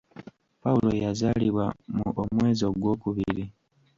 Pawulo yazaalibwa mu omwezi ogw'okubiri.